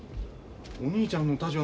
お兄ちゃんの立場